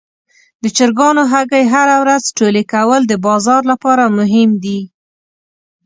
د چرګانو هګۍ هره ورځ ټولې کول د بازار لپاره مهم دي.